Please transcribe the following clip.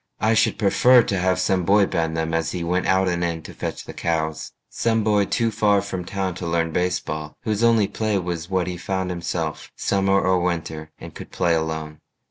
I should prefer to have some boy bend them As he went out and in to fetch the cows Some boy too far from town to learn baseball, Whose only play was what he found himself, Summer or winter, and could play alone.